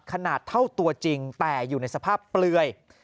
ขนาดเท่าตัวจริงแต่อยู่ในสภาพเปลือย